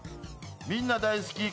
みんな大好き！